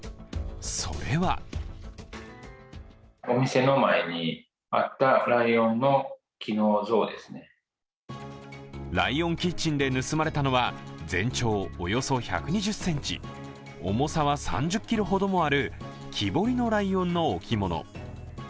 それはライオンキッチンで盗まれたのは、全長およそ１２０ｃｍ、重さは３０ｋｇほどもある木彫りのライオンの置物。